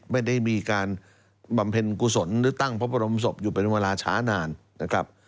ไม่ได้มีการบำเพ็ญกุศลหรือตั้งพระบรมศพอยู่เป็นเวลาช้านานนะครับ